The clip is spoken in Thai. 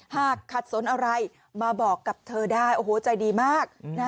หากขัดสนอะไรมาบอกกับเธอได้โอ้โหใจดีมาก